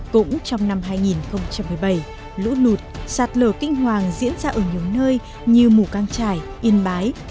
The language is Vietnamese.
cũng trong năm hai nghìn một mươi bảy lũ lụt sạt lở kinh hoàng diễn ra ở nhiều nơi như mù căng trải yên bái